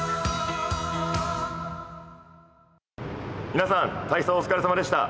皆さん、体操、お疲れさまでした。